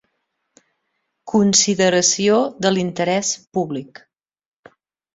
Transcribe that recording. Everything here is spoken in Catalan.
consideració de l'interès públic.